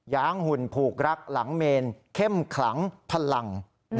้างหุ่นผูกรักหลังเมนเข้มขลังพลัง